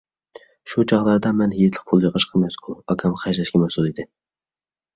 شۇ چاغلاردا، مەن ھېيتلىق پۇل يىغىشقا مەسئۇل ، ئاكام خەجلەشكە مەسئۇل ئىدى.